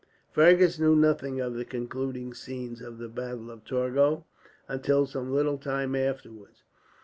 Fergus knew nothing of the concluding scenes of the battle of Torgau until some little time afterwards.